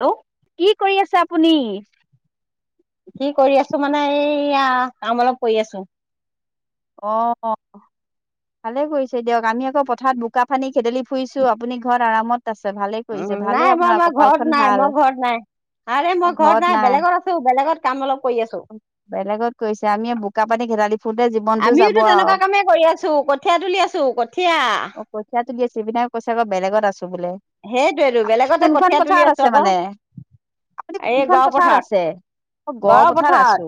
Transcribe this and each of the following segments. Hello কি কৰি আছে আপুনি? কি কৰি আছো মানে, এইয়া কাম অলপ কৰি আছো। অঁ। ভালে কৰিছে দিয়ক, আমি আকৌ পথাৰত বোকা পানী খেদেলি ফুৰিছো, আপুনি ঘৰত আৰামত আছে ভালে কৰিছে উহু ভালেই নাই মই আপোনাৰ মই কপালখন ঘৰত নাই ভাল মই ঘৰত নাই। আৰে মই ঘৰত না, ই বেলেগত আছো বেলেগত কাম অলপ কৰি আছো। বেলেগত কৰিছে আমি এ বোকা পানী ঘেদালি ফুৰতে জী আমিওতো তেনেকুৱা কামেই কৰি আছো, কঠীয়া তুলি আছো কঠীয়া। অ' কঠিয়া তুলি আছে, ‌ইপিনে কৈছে ক' বেলেগত আছো বোলে, সেইটোয়েতো আপুনি বেলেগতে কোনখন কঠীয়া তুলি পথাৰত আছো আছে আকৌ মানে? আপুনি এই কোনখন গড় পথাৰত আছে? মই গড় পথাৰত আছো।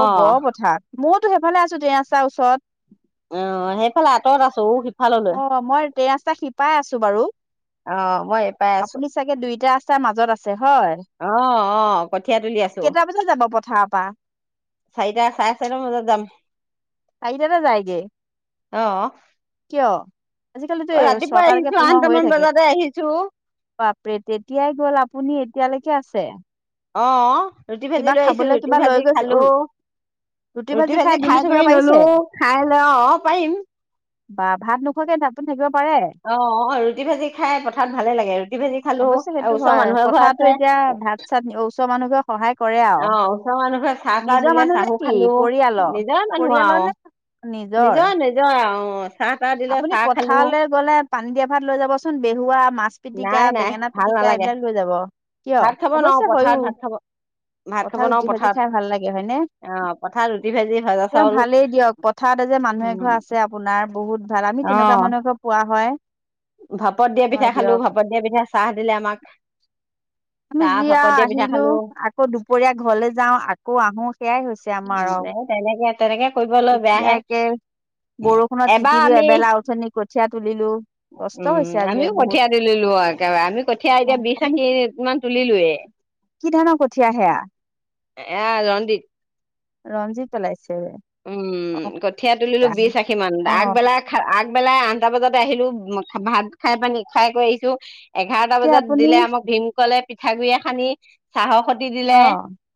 অ' গড় পথাৰ মও তো সেইফালে আছো তে ৰাস্তাৰ ওচৰত অঁ, সেইফালে আঁতৰত আছোও সিফাললৌ এই, ৰাস্তা সিপাৰে আছো বাৰু অঁ মই এইপাৰে আপুনি আছো। চাগে দুইটা ৰাস্তাৰ মাজত আছে হয়। অঁ অঁ কঠীয়া তুলি আছো। কেইটা বজাত যাব পথাৰৰ পৰা চাৰিটা চাৰে চাৰিটা মান বজাত যাম। চাৰিটাতে যায়গে অ কিয়? আজিকালিটো ৱ ৰাতিপুৱা ছটালেকে আহিছো পোঁহৰ আঠটামান হৈ থাকে। বজাতে আহিছো বাপৰে তেতিয়াই গ'ল আপুনি এতিয়ালেকে আছে। অঁ ৰুটি ভাজি কিবা লৈ আহিছো খাবলৈ ৰুটি কিবা লৈ ভাজি গৈছে খালো। ৰুটি ভাজি খাই কৰি ল'লো খাই লৈ অঁ পাৰিম। বা ভাত নোখো খোৱাকে আপুনি থাকিব পাৰে? অ অ ৰুটি ভাজি খায় পথাৰত ভালে লাগে, ৰুটি ভাজি খালো অৱশ্যে আৰু সেইটো ওচৰৰ হয়, মানুহ এঘৰ পথাৰতটো আছে এতিয়া ভাত- চাত ওচৰৰ মানুহ বোৰে সহায় কৰে আও, অ', ওচৰৰ মানুহে চাহ তাহ নিজৰ দিলে মানুহ চাহো নেকি খালো পৰিয়ালৰ? নিজৰ মানুহ পৰিয়ালৰ আৰু নে নিজৰ? নিজৰ অ', চাহ তাহ দিলে আপুনি চাহ খালো পথাৰলে গ'লে পানী দিয়া ভাত লৈ যাবচোন বেহুৱা মাছ পিতিকা, নাই নাই বেঙেনা ভাল পিতিকা নালাগে এইবিলাক লৈ যাব। কিয়? ভাত খাব নোৱাৰো অৱশ্যে হয়ো। পথাৰত ভাত খাব ভাত খাব পথাৰত নোৱাৰো ৰুটি ভাজি খায় ভাল লাগে হয়নে? অ', পথাৰত ৰুটি ভাজি ভজা তেওঁ চাউল ভালেই দিয়ক প পথাৰতে যে মানুহ এঘৰ আছে আপোনাৰ বহুত ভাল আমি তেনেকুৱা অঁ, মানুহ এঘৰ পোৱা হয় ভাপত দিয়া পিঠা হয় খালোঁ, দিয়ক ভাপত দিয়া পিঠা। চাহ দিলে আমাক। আমি চাহ যি ভাপত আও দিয়া পিঠা আহিলো, খালো আকৌ দুপৰীয়া ঘৰলে যাওঁ আকৌ আহো সেয়াই হৈছে। আমাৰ আৰু যে তেনেকে, তেনেকে কৰিবলৈ এতিয়া বেয়াহে। একে বৰষুণত এবাৰ তিতিলো আমি এবেলা অথনী কঠীয়া তুলিলো। কষ্ট হৈছে উম' আজি আমিও বহুত কঠীয়া তুলিলো আও একেবাৰে, আমি কঠীয়া অ এতিয়া বিশ আপুনি আশি মান তুলিলোয়ে। কি ধানৰ কঠীয়া সেয়া? এয়া ৰঞ্জিত ৰঞ্জিত পেলাইছে। অ উম' কঠীয়া তুলিলো বিশ অ আশী মান, আগবেলাক আগবেলাই আঠটা বজাতে আহিলো ভাত খায় পানি খায় কৰি আহিলো। এঘাৰটা এতিয়া বজাত আপুনি দিলে আমাক ভীম কলে পিঠাগুড়িয়ে সানি, চাহৰ খতি অ দিলে।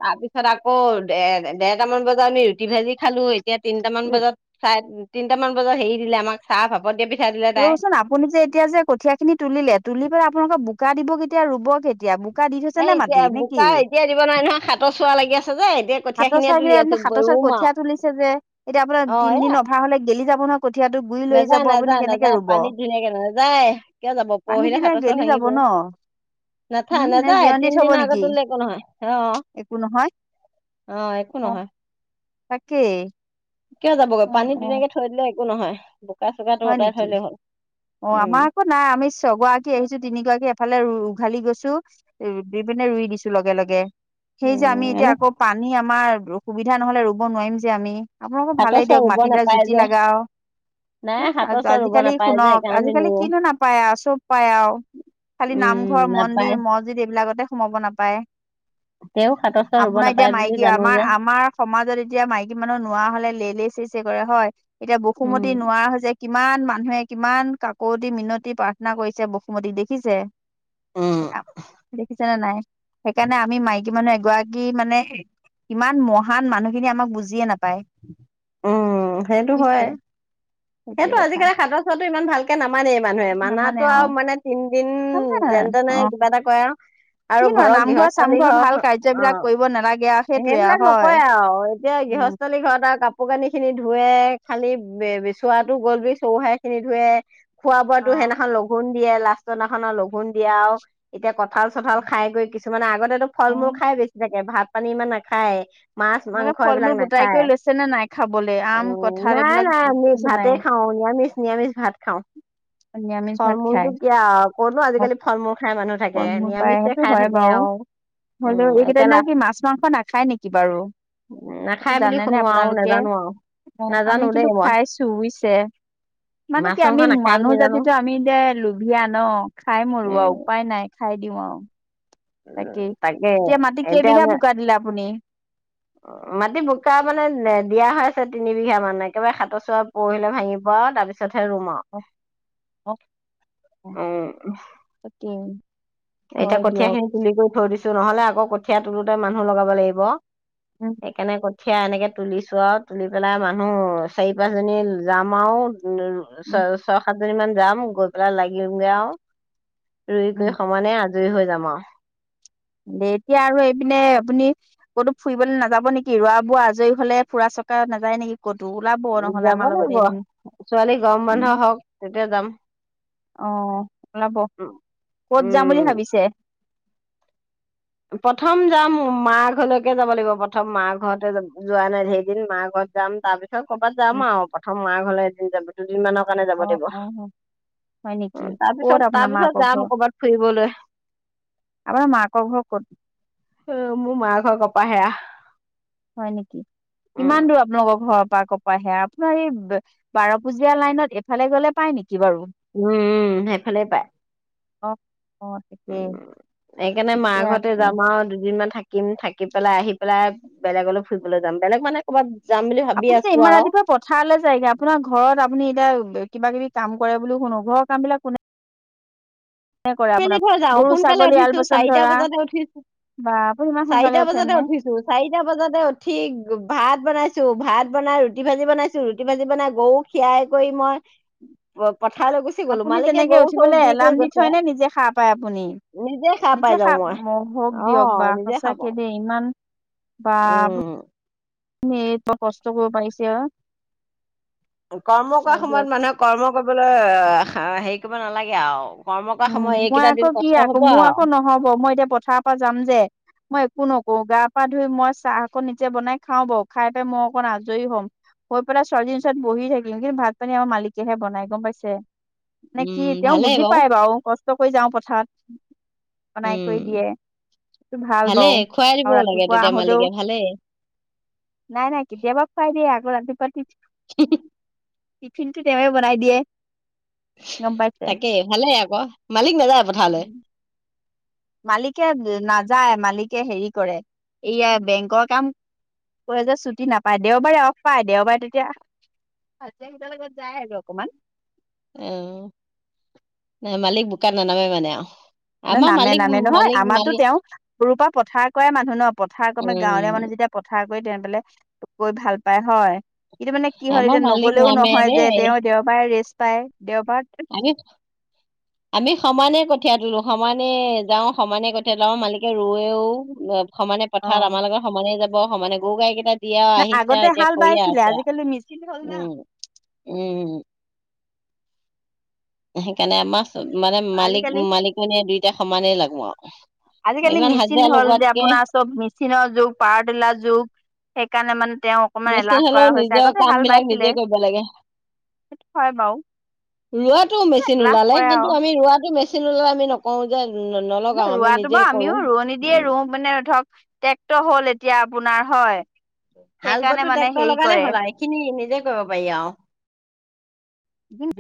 তাৰপিছত আকৌ দে দেৰটামান বজাত আমি ৰুটি ভাজি খালো এতিয়া তিনিটামান বজাত, চাই, তিনটামান বজাত হেৰি দিলে আমাক চাহ, ভাপত দিয়া পিঠ ৰচোন, আপুনি যে এতিয়া যে কঠিয়া খিনি তুলিলে, তুলি পেলাই আপোনালোকক বোকা দিব কেতিয়া? ৰুব কেতিয়া? বোকা দি থৈছে এই নে এতিয়া মাটি নে কি? বোকা এতিয়া দিব নোৱাৰে নহয় হাতৰ চোৱা লাগি আছে যে এতিয়া কঠীয়া হাতৰ খিনিয়ে চোৱা গে তুলি আছো আপুনি হাতৰ চোৱত ৰুম আৰু কঠীয়া তুলিছে যে, এতিয়া আপোনাৰ অ এ তিনদিন অভাৰ হ'লে গেলি যাব নহয় কঠীয়াটো গুৰি লৰি নাযায় যাব আপুনি নাযায় কেনেকে নাযায় ৰুব? পানীত ধুনীয়াকে নাযায় কিয় যাব পানীত দিলে গেলি যাব ব ন? নেথায় উম নে নেযায় জিৰণি দি থব তিনদিনৰ নেকি আগত তুলিলে একো নহয়, অ'। একো নহয় অঁ একো অ নহয়। তাকেই। কিয় যাবগৈ অ পানীত অ ধুনীয়াকে থৈ দিলে একো নহয়। বোকা চোকাটো হয় অতৰাই থৈ নেকি দিলেই হ'ল, অ উম'। আমাৰ আকৌ নাই আমি ছগৰাকী আহিছো তিনিগৰাকী এফালে উ' উঘালি গৈছোঁ। ৰুপি পিনে ৰুই দিছোঁ লগে লগে। সেই যে আমি এতিয়া আকৌ পানী আমাৰ সুবিধা নহ'লে ৰুব নোৱাৰিম যে আমি। আপোনালোকৰ হাতৰ ভালেই চোৱা দিয়ক ৰুব মাটিবিলাক নাপায় যুটি যে লাগা আও। নাই হাতৰ আজি চোৱা ৰুব আজিকালি নাপায় যে শুনক, সেইকাৰণে আমি আজিকালি নুৰো কিনো নাপায় আও চব পায় আও। খালি উম, নামঘৰ, মন্দিৰ, নাপায় মছজিদ এইবিলাকতে সোমাব নাপায়। তেওঁ হাতৰ চোৱা ৰুব আপোনাৰ এতিয়া নাপায় বুলি মাইকী জানো আমাৰ যে আমাৰ সমাজত এতিয়া মাইকী মানুহৰ নোৱাৰা হ'লে লেই লেই চেই চেই কৰে হয়। এতিয়া উম, বসুমতি যে কিমান মানুহে কিমান কাকতি -মিনতি প্ৰাৰ্থনা কৰিছে বসুমতীক দেখিছে। উম, সেইয়া দেখিছেনে নাই? সেইকাৰণে আমি মাইকী কী মানুহ এগৰাকী মানে, কিমান মহান মানুহখিনিয়ে আমাক বুজিয়ে নাপায়। উম সেইটো হয়। বুজিছে সেইটোৱে সেইটো কথা আজিকালি হাতৰ চোৱাতো ইমান ভালকে নামানেই মানুহে। মানাটো আৰু মানে তিনদিন নামানে যেন তেনে অ কিবা এটা কৰে আও, আৰু কিনো ঘৰৰ নামঘৰ গৃহস্থালী চামঘৰ ভাল ঘৰখন কাৰ্যবিলাক অঁ। কৰিব নালাগে আৰু সেইটোৱে আৰু সেইবিলাক হয় নকয় আও এতিয়া উম গৃহস্থ। খালি ঘৰত আও কাপোৰ কানি খিনি ধুৱে, খালি বে বেচোৱাটো গ'ল বুলি চৰু হাৰি খিনি ধুৱে, খোৱা বোৱাতো অ সেইদিনাখন লঘোণ দিয়ে। লাষ্টৰ নাখন লঘোণ দিয়ে আও এতিয়া ক। কঁঠাল চঠাল খাই গৈ কিছুমানে আগতেতো ফল- অ মূল খাই বেছি থাকে। ভাত পানী ইমান নাখায়। মাছ মাংস আপোনালোকে ফল এইবিলাক মূল গোটাই কৰি নাখায়। লৈছে নে নাই খাবলে আম উম' কঁঠাল নাই এইবিলাক নাই আমি লৈছে ভাতে নাই খাওঁ নিৰামিষ। নিৰামিষ ভাত খাওঁ। নিৰামিষ ফল ভাত খাই মূলটো কিয় আও কতনো আজিকালি ফল মূল খাই মানুহ থাকে ফল মূল পায় নিৰামিষে। সেইটো খাই হয় থাকে বাৰু আও। হ'লেও এইকেইদিন কি মাছ মাংস নাখায় নেকি বাৰু। নাখায় বুলি জানেনে শুনো আৰু আপোনালোকে নেজানো আৰু অহ আমি নাজানো দেই কিন্তু মই খাইছোঁ বুজিছে। মানে মাছ কি মাংস আমি নাখাই মানুহ বুলি জানো জাতিটো আমি যে লোভিয়া ন খাই মৰো আও উম উপায় নাই। খাই দিওঁ আও তাকেই তাকে এতিয়া মাটি কেইবিঘা বোকা দিলে আপুনি। অহ মাটি বোকা মানে নেদিয়া হৈছে তিনি বিঘা মান একেবাৰে সাতৰ চোৱা। পৰহিলে ভাঙিব অ তাৰপিছতহে ৰুম আও। অ অ অ উম সেইটোৱে। এতিয়া কঠীয়া খিনি তুলি কৰি থৈ দিছোঁ নহলে আকৌ কঠীয়া তোলোতে মানুহ লগাব লাগিব। উম। সেইকাৰণে কঠিয়া এনেকে তুলিছো আও তুলি পেলাই মানুহ চাৰি পাঁচজনী যাম আও। উম ছ উম ছয় সাতজনী মান যাম গৈ পেলাই লাগিমগে আও ৰুই উম কৰি। মানে আজৰি হৈ যাম আও। যেতিয়া আৰু এইপিনে আপুনি। ক'তো ফুৰিবল নাযাব নেকি ৰোৱা বোৱা আজৰি হলে ফুৰা চকা নাযায় নেকি। ক'তো ওলাব আৰু নহলে যাব আমাৰ লাগিব লগতে এদিন ছোৱালী গৰম বন্ধ উম। হওক তেতিয়া যাম অহ ওলাব কত যাম বুলি উম ভাবিছে। প্ৰথম যাম মা ঘৰলৈকে যাব লাগিব প্ৰথম মা ঘৰতে যাম যোৱা নাই সেইকেইদিন দিন মা ঘৰত যাম তাৰ। পিছত কবাত উম যাম আও প্ৰথম মা ঘৰলৈ এদিন যাব দুদিন মানৰ কাৰণে যাব অ লাগিব। অ হয় নেকি উম ক'ত তাৰপিছত আপোনাৰ তাৰপিছত মাকৰ যাম ঘৰ কবাত ফুৰিবলৈ। আমাৰ মাকক ঘৰ ক'ত। অহ মোৰ মা ঘৰৰ কপাহেৰা। হয় নেকি। কিমান দূৰত আপোনালোকৰ ঘৰৰ পৰা ক। পাহেৰা আপোনাৰ এই বাৰ পুজীয়া লাইনত এইফালে গলে পায় নেকি বাৰু। উম উম সেইফালেই পায়। অ। অ ঠিকেই উম সেইকাৰণে মা ঠিকে ঘৰতে আছে যাম আও দুদিনমান থা। কিম থাকি পেলাই আহি পেলাই বেলেগলৈ ফুৰিবলৈ যাম বেলেগ মানে। ক'বাত যাম বুলি ভা। আপোনি যে ইমান ৰাতিপুৱা। পথাৰলে যায়গে আপোনাৰ ঘৰত আপুনি এতিয়া কিবা কিবি কাম কৰে বুলিও শুনো ঘৰৰ কাম বিলাক কোনে। কৰে মেলি আপোনাৰ থৈ যাওঁ গৰু সোনকালে ছাগলী আল উঠিছোঁ পচন চাৰিটা ধৰা বজাতে উঠি। বা আপুনি ইমান সোনকালে চাৰিটা উঠে বজাতে নে উঠিছোঁ। চাৰিটা বজাতে উঠি ভাত বনাইছোঁ ভাত বনাই ৰুটি ভাজি বনাইছোঁ ৰুটি ভাজি বনাইছোঁ গৰু। খিয়াই কৰি মই প পথাৰলৈ গৈ। আপুনি তেনেকে উঠিবলৈ এলাম দি থয় নে নিজে হাৰ পায় আপুনি। সাৰ নিজে পাই যাও হা মই পায় হক অ দিয়ক বা নিজে সাৰ সচাঁকে পাও দেই। ইমান বা উম নিজ কষ্ট কৰিব পাৰিছে আও। কৰ্ম কৰা দিয়ক সময়ত মানুহে কৰ্ম কৰিবলৈ হেৰি কৰিব নালাগে আও। কৰ্ম কৰা সময় উম মই এইকেইটা আকৌ দিন কি কষ্ট আকৌ হ'ব মোৰ আও। আকৌ নহ'ব মই এতিয়া পথাৰৰ পৰা যাম যে- মই একো নকৰো গা পা ধুই মই চাহ অকণ নিজে বনাই খাওঁ বাৰু খাই পাই মই অকণ আজৰি হ'ম। হৈ পেলায় ছোৱালীজনী ওচৰত বহি থাকিম কিন্তু ভাত পানী আমাৰ মালিকেহে বনাই গম পাইছে। নে উম কি তেওঁ ভালেই বুজি পায় বাৰু কষ্ট কৰি যাওঁ পথাৰত। বনাই উম কৰি দিয়ে সেইটো ভাল বাৰ ভালেই খুৱাই আৰু দিবও লাগে ৰাতিপুৱা তেতিয়া আহোঁতেও মালিকে - ভালেই নাই নাই কেতিয়াবা খোৱাই দিয়ে আকৌ ৰাতিপুৱা তি- টিফিন টো তেওঁৱে বনাই দিয়ে। গম পাইছে তাকেই ভালে আকৌ মালিক নাযায় পঠা- উমঁ! মালিকে নাযায় মালিকে হেৰি কৰে এইয়া বেংকৰ কাম। কৰে যে ছুটি নাপায় দেওবাৰে অফ পায় দেওবাৰে তেতিয়া। ৰাজিয়া কেইটা লগত যায় আৰু অকমান। অম ন মালিক বুকাত নানামে আও। ন আমাৰ নামে মালিক নামে নহয় মালিক আমাৰতো মালিক তেওঁ সৰুৰ পৰা পথাৰ কৰা মানুহ ন পথাৰ কমে উম, গাঁৱলীয়া মানুহ যেতিয়া- পথাৰ কৈ তেনে পালে কৈ ভাল পায় হয়। এতিয়া মানে কি হল আমাৰ এতিয়া মালিক নগলেও নামে নহয় যে দেই। তেওঁ দেওবাৰে ৰেষ্ট পায় দেওবাৰত। আদিত- আমি সমানে কঠীয়া তোলো সমানে যাওঁ সমানে কঠীয়া তোলো মালিকে ৰয়েও। সমানে অ পথাৰত আমাৰ লগত সমানে যাব সমানে গৰু গাই কেইটাত- দিয়াও ন আহিছে আৰু আগতে এতিয়া হাল কৰিয়ে বাইছিলে আছে আজিকালি মেচিন হ'ল না উমঁ উমঁ। সেইকাৰণে আমাৰ মানে মালিক আজিকালি মালিকনীয়ে দুইটা সমানেই লাগো আও আজিকালি মেচিন হ'ল যে আপোনাৰ চব মেচিন। মেচীনৰ যুগ পাৰতেলাৰ যুগ সেইকাৰণে মানে তেওঁক- মেচিন হলেওঁ নিজৰ কাম বিলাক নিজে কৰিব লাগে। হয়ঁ বাওঁ। ৰোৱাটো মেচিন ওলালে আৰু কিন্তু আমি ৰোৱাটো মেচিন- মেচিন হ'লেও আমি নকৰোঁ যে মানে নলগাওঁ আমি ৰোৱাটো নিজে বাৰু আমিও কৰো। ৰোৱনী দিয়ে উম, ৰুম মানে ধৰক টেক্টৰ হ'ল এতিয়া আপোনাৰ হয়। হাল বোৱা সেইকাৰণে টো মানে ট্ৰেক্টৰ হেৰি লগালে কৰে হ'ল এইখিনি নিজে কৰিব পাৰি আও।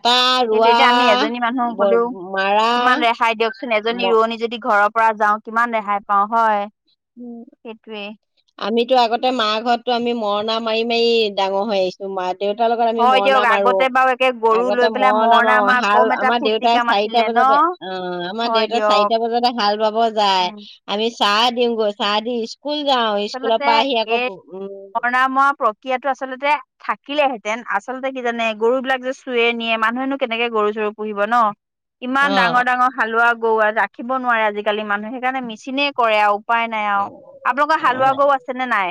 টা সেইটো এতিয়া আমি এজনী মানুহ ৰোৱা গলেও মাৰা। কিমান ৰেহাই দিয়কচোন এজনী ম- ৰোৱনী যদি ঘৰৰ পৰা যাওঁ কিমান ৰেহাই পাওঁ হয়ঁ। উমঁ! আমিতো আগতে মা ঘৰতো আমি মৰণা মাৰি মাৰি ডাঙৰ হৈ আহিছোঁ। মা দেউতাৰ লগত আমি হয় মৰণা দিয়ক মাৰোঁ আগতে বাৰু একে গৰু আগতে লৈ পেলাই মৰণা মাৰোঁ মাৰা হাল কম এটা আমাৰ ফূৰ্তি দেউতা- কাম প্ৰায় চাৰিটা আছিলে ন বজাতে অঁ আমাৰ হয় দেউতা দিয়ক চাৰিটা বজাতে হাল বাব যায়। উম আমি চাহ দিওঁগৈ চাহ দি স্কুল যাওঁ স্কুলৰ পৰা আহি আকৌ উমঁ ববব না মই পফে- এতিয়াতো আচলতে- থাকিলেহেঁতেন আচলতে কি জানে গৰু বিলাক যে চুৰে নিয়ে মানুহেনো কেনেকে গৰু চৰু পুহিব নহ। ইমান অ', ডাঙৰ ডাঙৰ হালোৱা গৰু ৰাখিব নোৱাৰে আজিকালি মানুহে সেইকাৰণে মেচিনে কৰে আৰু। উপাই নাই আও। হালোৱা গৰু আছে নে নাই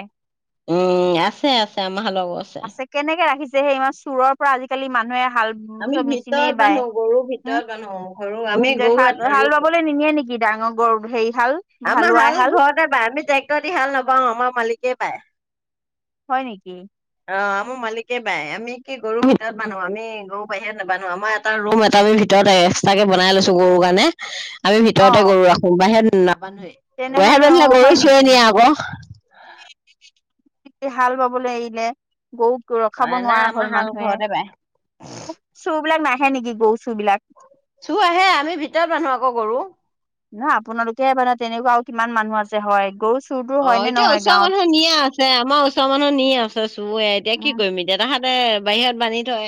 উম, আছে আছে আমাৰ হালৰ গৰু আছে কেনেকে ৰাখিছে সেই ইমান চোৰৰ পৰা আজিকালি মানুহে হাল- আমি চব মেচিনেই ভিতৰত বায় বান্ধো গৰু হু ভিতৰত বান্ধো গৰু আমি গৰু নিয়ে নেকি ডাঙৰ গৰু হেৰি হাল আমাৰ হাল ঘৰতে বাই আমি ট্ৰেক্টৰ দি হাল নাবাও আমাৰ মালিকেই বাই। হয় নেকি? অ আমাৰ মালিকে বাই আমি কি গৰু ভিতৰত বান্ধো আমি গৰু বাহিৰত নেবান্ধো আমাৰ এটা ৰুম এটা আমি ভিতৰতে এক্সট্ৰা কে বনাই লৈছোঁ গৰুৰ কাৰণে। আমি অ ভিতৰতে গৰু ৰাখো বাহিৰত নাবান্ধোৱে, তেনেহলে বাহিৰত অ বান্ধিলে হয় গৰু চুৰে নেকি নিয়ে আক'। হাল বাবলৈ এৰিলে গৰু ৰখাব নাই নোৱাৰা আমাৰ হল হাল মানুহে ঘৰতে বায়। চুৰ বিলাক নাহে নেকি গৰু চুৰ বিলাক চুৰ আহে আমি ভিতৰত মানুহ আক' গৰু নহয় আপোনালোকেহে বান্ধে তেনেকুৱা আৰু কিমান মানুহ আছে হয় গৰু চুৰটোৰ অ হয় নে এতিয়া নহয় ওচৰৰ গাঁৱত? মানুহ নিয়ে আছে আমাৰ ওচৰৰ মানুহ নি আছে চুৰে এতিয়া কি কৰিবি দেউতাহঁতে বাহিৰত বান্ধি থয়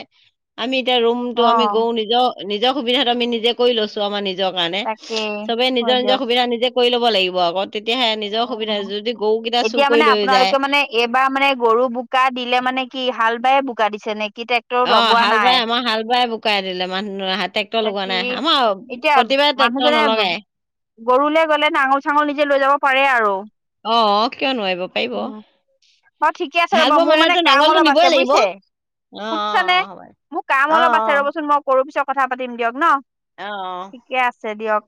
আমি এতিয়া ৰুমটো অ আমি গৰু নিজৰ নিজৰ সুবিধাটো আমি নিজে কৰি লৈছোঁ আমাৰ নিজৰ কাৰণে তাকেই চবে হয় নিজৰ নিজৰ দিয়ক সুবিধা নিজে কৰি ল'ব লাগিব আকৌ তেতিয়াহে নিজৰ সুবিধা অ যদি গৰুকেইটা চুৰ কৰি লৈ যায় এবাৰ মানে গৰু বোকা দিলে মানে কি হাল বায় বোকা দিছে নে কি ট্ৰে অঁ হাল বাই আমাৰ হাল বাই বুকাই দিলে। মানুহ হাতে- টেক্টৰ লগোৱা তাকি নাই। আমাৰ এতিয়া প্ৰতিবাৰে ট্ৰেক্টৰ মানুহজনে নলগাই।। গৰুলে গ'লে নাঙল চাঙল নিজে লৈ যাব পাৰে আৰু। অ কিয় নোৱাৰিব পাৰিব। অ ঠিকে আছে হাল ৰ'ব, বোৱা মোৰ মানুহেতো মানে কাম নাঙলটো অলপ নিবই আছে লাগিব অ বুজিছে? অ সুনিছানে অ হ'ব মোৰ কাম অ অ অলপ আছে ৰ'বচোন মই কৰো পিছত কথা পাতিম দিয়ক ন। অঁ অঁ। ঠিকে আছে দিয়ক।